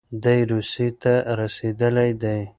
دی روسيې ته رسېدلی دی.